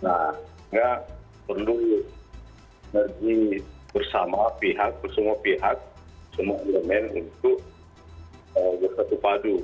nah tidak perlu bersama pihak bersama pihak semua elemen untuk bersatu padu